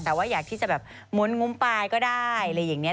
แต่ว่าอยากที่จะแบบม้วนงุ้มปลายก็ได้อะไรอย่างนี้